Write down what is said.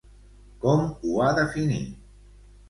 Com ho ha definit?